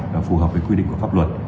và phù hợp với quy định của pháp luật